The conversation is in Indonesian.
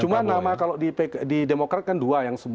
cuma nama kalau di demokrat kan dua yang